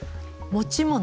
持ち物？